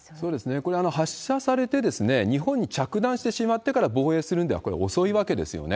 これ、発射されて日本に着弾してしまってから防衛するんでは、これは遅いんですね。